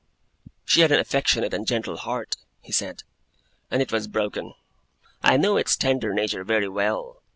'She had an affectionate and gentle heart,' he said; 'and it was broken. I knew its tender nature very well.